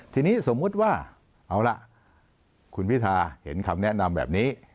ทีนี้สมมุติว่าเอาล่ะคุณพิธาเห็นคำแนะนำแบบนี้